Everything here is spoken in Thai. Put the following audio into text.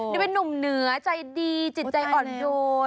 นี่เป็นนุ่มเหนือใจดีจิตใจอ่อนโยน